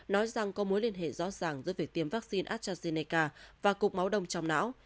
nói rằng có mối liên hệ rõ ràng giữa việc tiêm vaccine astrazeneca và cục máu đông trong não